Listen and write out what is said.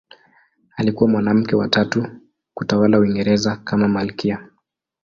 Alikuwa mwanamke wa tatu kutawala Uingereza kama malkia.